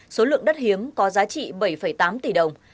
số lượng đất hiếm có giá trị bảy tám tỷ đồng